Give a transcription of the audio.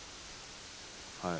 はい。